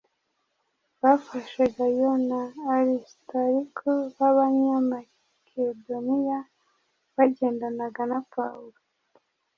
bafashe Gayo na Arisitariko b’Abanyamakedoniya, bagendanaga na Pawulo,”